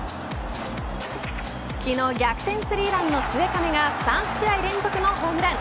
昨日、逆転スリーランの末包が３試合連続のホームラン。